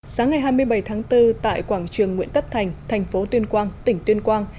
sáng ngày hai mươi bảy tháng bốn tại quảng trường nguyễn tất thành thành phố tuyên quang tỉnh tuyên quang